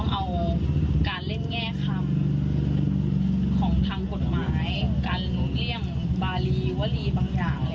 มากันแกล้งน้องให้น้องไม่ได้เรียนนักศึก